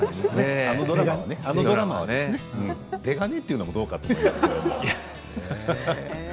あのドラマはね手加減というのもどうかと思いますけど。